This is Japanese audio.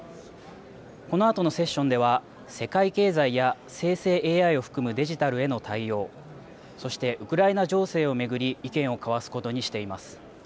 このあとのセッションでは世界経済や生成ＡＩを含むデジタルへの対応、そしてウクライナ情勢を巡り意見を交わすことにしています。